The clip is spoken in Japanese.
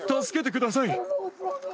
助けてください。